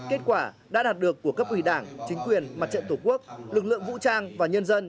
kết quả đã đạt được của cấp ủy đảng chính quyền mặt trận tổ quốc lực lượng vũ trang và nhân dân